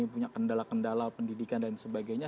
punya kendala kendala pendidikan dan sebagainya